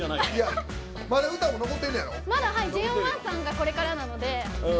ＪＯ１さんが、これから。